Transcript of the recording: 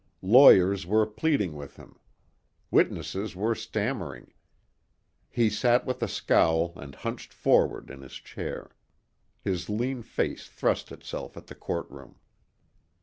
Lawyers were pleading with him. Witnesses were stammering. He sat with a scowl and hunched forward in his chair. His lean face thrust itself at the courtroom.